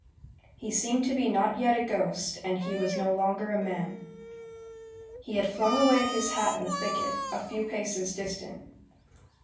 He seemed to be not yet a ghost, and he was no longer a man. He had flung away his hat in the thicket, a few paces distant.